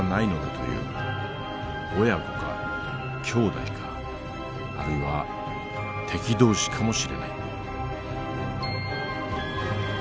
親子か兄弟かあるいは敵同士かもしれない。